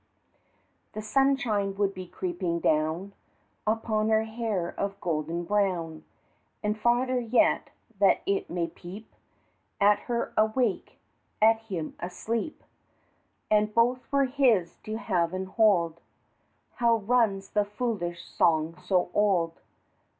The sunshine would be creeping down Upon her hair of golden brown, And farther yet that it might peep At her awake, at him asleep, And both were his to have and hold, How runs the foolish song so old?